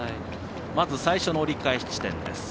まず、最初の折り返し地点。